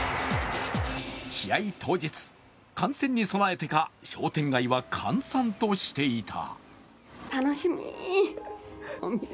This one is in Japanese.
試合当日、観戦に備えてか商店街は閑散としていた。